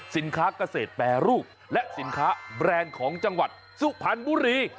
สินค้าเกษตรแปรรูปและสินค้าแบรนด์ของจังหวัดสุพรรณบุรี